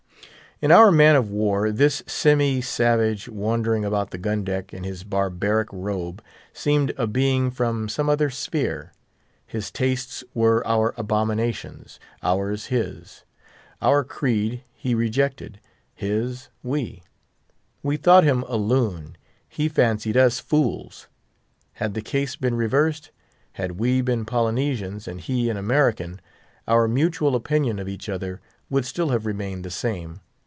In our man of war, this semi savage, wandering about the gun deck in his barbaric robe, seemed a being from some other sphere. His tastes were our abominations: ours his. Our creed he rejected: his we. We thought him a loon: he fancied us fools. Had the case been reversed; had we been Polynesians and he an American, our mutual opinion of each other would still have remained the same.